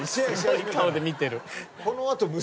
すごい顔で見てる。